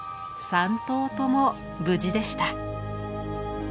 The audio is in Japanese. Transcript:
３頭とも無事でした。